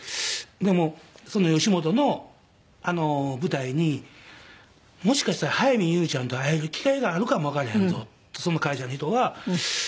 でも吉本の舞台に「もしかしたら早見優ちゃんと会える機会があるかもわからへんぞ」とその会社の人が言われて。